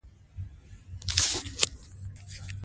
د ده لیکنې دا ثابتوي.